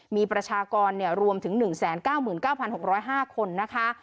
มีประชากรรวมถึง๑๙๙๖๐๕คนนะคะ